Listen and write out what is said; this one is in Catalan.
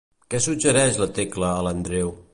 Què suggereix la Tecla a l'Andreu?